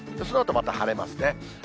そのあとまた晴れますね。